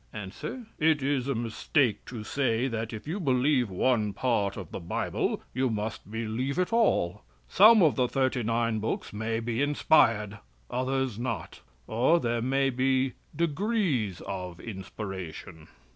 A. "It is a mistake to say that if you believe one part of the Bible you must believe all. Some of the thirty nine books may be inspired, others not; or there may be degrees of inspiration."